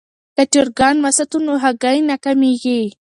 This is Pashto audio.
که چرګان وساتو نو هګۍ نه کمیږي.